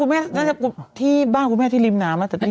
ไม่ไปครับ